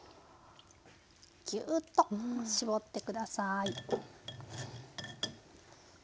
ギューッと絞って下さい。